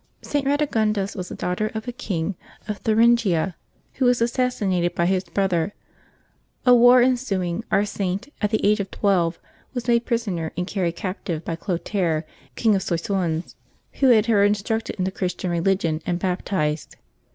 @T. RADEGUNDES was the daughter of a king of Thurin gia who was assassinated by his brother; a war en suing, our Saint, at the age of twelve, was made prisoner and carried captive by Clotaire, King of Soissons, who had her instructed in the Christian religion and baptized.